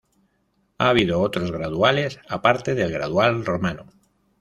Ha habido otros graduales, aparte del Gradual Romano.